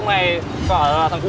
người nhà đâu